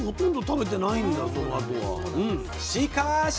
しかし！